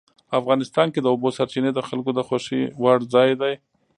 افغانستان کې د اوبو سرچینې د خلکو د خوښې وړ ځای دی.